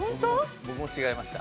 僕も違いました。